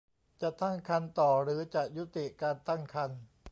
ตั้งครรภ์ต่อหรือจะยุติการตั้งครรภ์